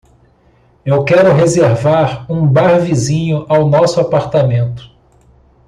Eu quero reservar um bar vizinho ao nosso apartamento.